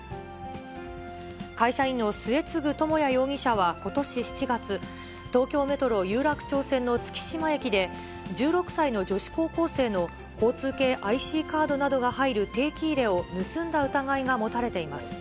会社員の末次智也容疑者はことし７月、東京メトロ有楽町線の月島駅で、１６歳の女子高校生の交通系ＩＣカードなどが入る定期入れを盗んだ疑いが持たれています。